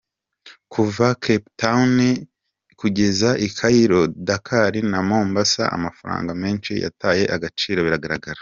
Kuva Cape Town kugeza i Cairo, Dakar na Mombasa, amafaranga menshi yataye agaciro bigaragara.